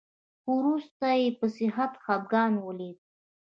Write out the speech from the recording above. خو وروسته يې په سخت خپګان وليدل.